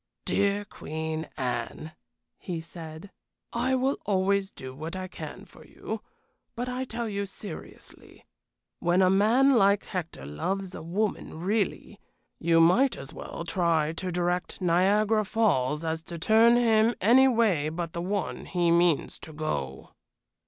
"Dear Queen Anne," he said, "I will always do what I can for you. But I tell you seriously, when a man like Hector loves a woman really, you might as well try to direct Niagara Falls as to turn him any way but the one he means to go."